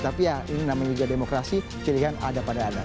tapi ya ini namanya juga demokrasi pilihan ada pada anda